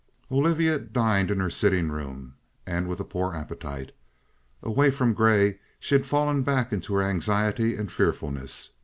Olivia dined in her sitting room, and with a poor appetite. Away from Grey, she had fallen back into her anxiety and fearfulness.